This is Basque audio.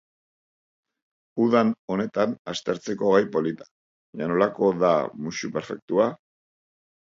Udan honetan aztertzeko gai polita, baina nolako da musu perfektua?